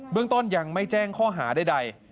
เรื่องต้นยังไม่แจ้งข้อหาใด